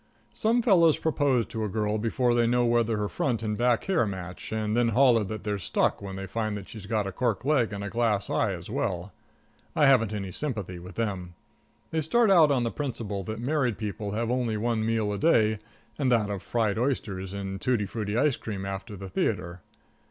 Some fellows propose to a girl before they know whether her front and her back hair match, and then holler that they're stuck when they find that she's got a cork leg and a glass eye as well. I haven't any sympathy with them. They start out on the principle that married people have only one meal a day, and that of fried oysters and tutti frutti ice cream after the theatre.